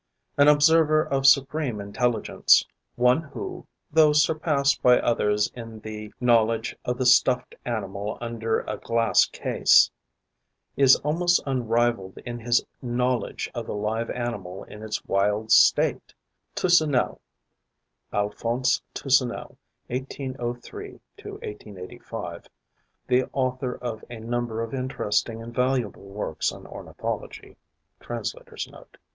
An observer of supreme intelligence, one who, though surpassed by others in the knowledge of the stuffed animal under a glass case, is almost unrivalled in his knowledge of the live animal in its wild state, Toussenel (Alphonse Toussenel (1803 1885), the author of a number of interesting and valuable works on ornithology. Translator's Note.)